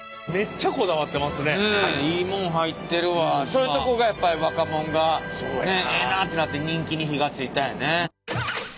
そういうとこがやっぱり若者がええなってなって人気に火がついたんやね。